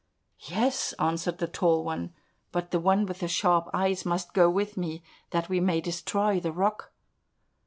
"Yes," answered the Tall One, "but the one with the sharp eyes must go with me, that we may destroy the rock."